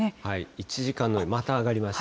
１時間の、また上がりました。